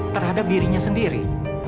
terhadap dirinya sendiri